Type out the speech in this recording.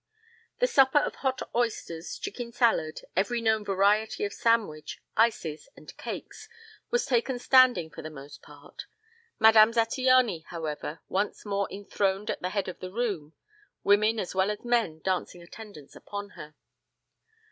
The supper of hot oysters, chicken salad, every known variety of sandwich, ices and cakes was taken standing for the most part, Madame Zattiany, however, once more enthroned at the head of the room, women as well as men dancing attendance upon her.